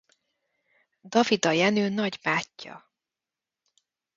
Davida Jenő nagybátyja.